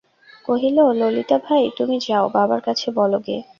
কহিল, ললিতাভাই, তুমি যাও, বাবার কাছে বলো গে।